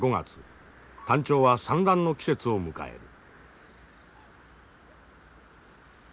タンチョウは産卵の季節を迎える。